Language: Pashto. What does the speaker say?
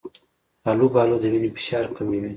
آلوبالو د وینې فشار کموي.